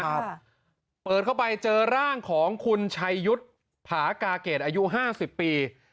ครับเปิดเข้าไปเจอร่างของคุณชัยยุทธ์ผากาเกตอายุห้าสิบปี